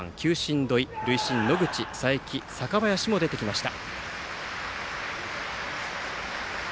球審の土井、塁審は野口佐伯、坂林も出てきました。